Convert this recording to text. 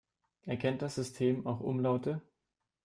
Erkennt das System auch Umlaute?